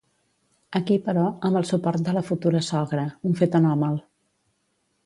Aquí, però, amb el suport de la futura sogra, un fet anòmal.